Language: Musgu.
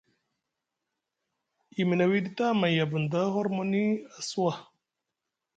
Yimi na wiiɗi tamay a bunda hormoni a suwa.